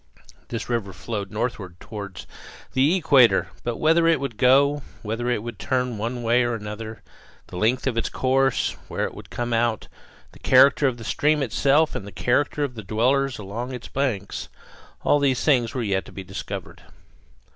This river flowed northward toward the equator, but whither it would go, whether it would turn one way or another, the length of its course, where it would come out, the character of the stream itself, and the character of the dwellers along its banks all these things were yet to be discovered.